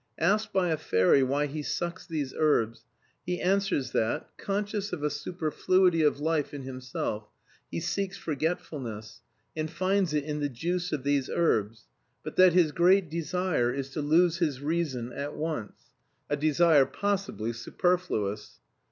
Asked by a fairy why he sucks these herbs, he answers that, conscious of a superfluity of life in himself, he seeks forgetfulness, and finds it in the juice of these herbs, but that his great desire is to lose his reason at once (a desire possibly superfluous).